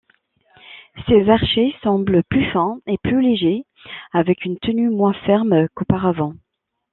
Ces archets semblent plus fins et plus légers avec une tenue moins ferme qu'auparavant.